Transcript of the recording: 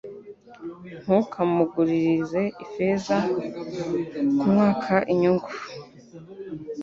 Ntukamuguririze ifeza zawe kumwaka inyungu